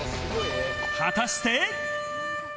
果たして。